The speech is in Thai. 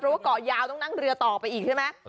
เพราะว่าเกาะยาวต้องนั่งเรือต่อไปอีกใช่ไหม